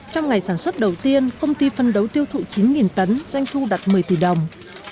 trong ngày sản xuất đầu tiên công ty phân đấu tiêu thụ chín tấn doanh thu đặt một mươi tỷ đồng